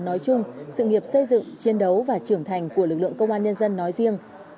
nói chung sự nghiệp xây dựng chiến đấu và trưởng thành của lực lượng công an nhân dân nói riêng